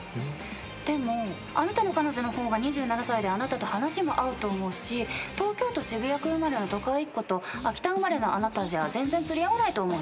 でもあなたの彼女の方が２７歳であなたと話も合うと思うし東京都渋谷区生まれの都会っ子と秋田生まれのあなたじゃ全然釣り合わないと思うよ。